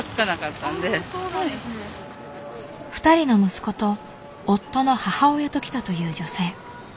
２人の息子と夫の母親と来たという女性。